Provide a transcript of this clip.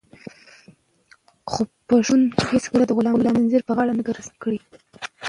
خو پښتنو هيڅکله د غلامۍ زنځير په غاړه نه کړ.